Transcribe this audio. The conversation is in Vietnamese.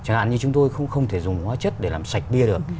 chẳng hạn như chúng tôi không thể dùng hóa chất để làm sạch bia được